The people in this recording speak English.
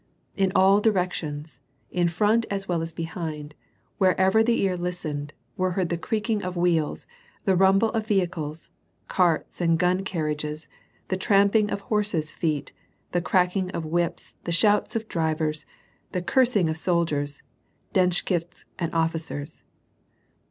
In all directions, in front as well as behind, wherever the ear listened, were heard the creaking of wheels, the rumble of vehicles, carts and gun carriages, the trampling of horses' feet, the cracking of whips, the shouts of drivers, the cursing of soldiers, denshchiks and officers.